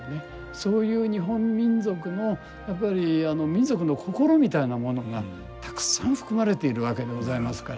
そういう日本民族のやっぱり民族の心みたいなものがたくさん含まれているわけでございますから。